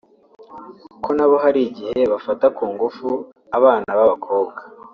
ko nabo hari igihe bafata ku ngufu abana b’abakobwa